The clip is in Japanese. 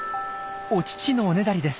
お乳のおねだりです。